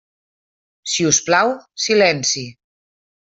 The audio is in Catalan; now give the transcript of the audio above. Si us plau, silenci.